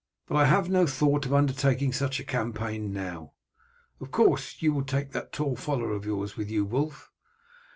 But I have no thought of undertaking such a campaign now. Of course you will take that tall follower of yours with you, Wulf."